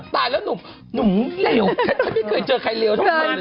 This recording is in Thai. ตายแล้วหนูหนูเหลว